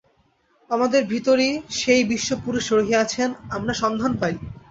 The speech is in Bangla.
আমাদের ভিতর সেই বিশ্বপুরুষ রহিয়াছেন, আমরা সন্ধান পাই।